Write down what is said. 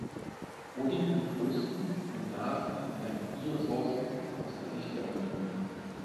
Wo liegen die größten und nahesten Energieressourcen aus der Sicht der Union?